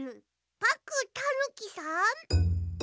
パックンたぬきさん？